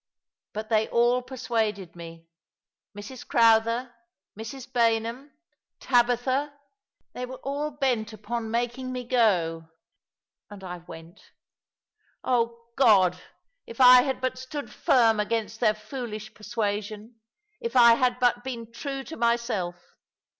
But they all per suaded me — Mrs. Crowther, Mrs. Baynham, Tabitha — they were all bent upon making me go— and I went. Oh, God, if I had but stood firm against their foolish persuasion, if I had but been true to myself!